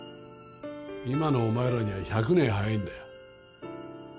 今のお前らには１００年早いんだよ。